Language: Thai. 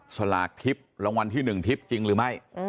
สลากทิพย์รางวัลที่๑ทิพย์จริงหรือไม่